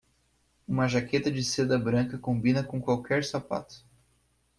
Uma jaqueta de seda branca combina com qualquer sapato.